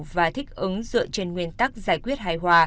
và thích ứng dựa trên nguyên tắc giải quyết hài hòa